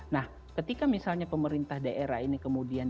nah ketika misalnya pemerintah daerah ini kemudian